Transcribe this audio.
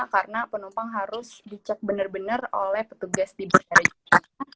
karena penumpang harus dicek bener bener oleh petugas di berada di sana